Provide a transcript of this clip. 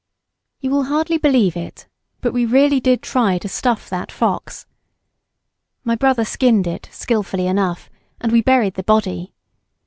You will hardly believe it, but we really did try to stuff that fox. My brother skinned it, skilfully enough, and we buried the body.